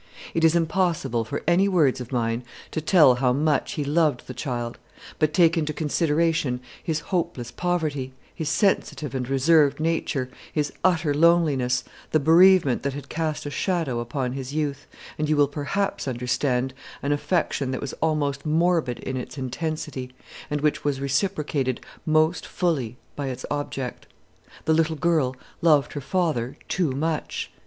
It is impossible for any words of mine to tell how much he loved the child; but take into consideration his hopeless poverty, his sensitive and reserved nature, his utter loneliness, the bereavement that had cast a shadow upon his youth, and you will perhaps understand an affection that was almost morbid in its intensity, and which was reciprocated most fully by its object. The little girl loved her father too much.